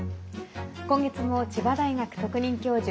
今月も千葉大学特任教授